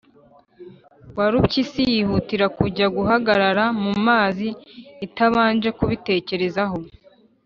warupyisi yihutira kujya guhagarara mu mazi itabanje kubitekerezaho.